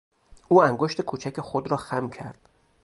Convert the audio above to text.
او انگشت کوچک خود را خم کرد.